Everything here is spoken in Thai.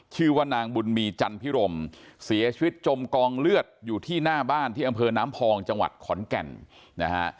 ชื่อว่านางบุญมีจันพิรมเสียชีวิตจมกองเลือดอยู่ที่หน้าบ้านที่อำเภอน้ำพองจังหวัดขอนแก่นนะฮะ